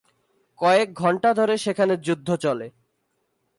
কয়েক ঘণ্টা ধরে সেখানে যুদ্ধ চলে।